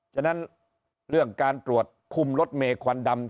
ฉะนั้นเรื่องการตรวจคุมรถเมย์ควันดำ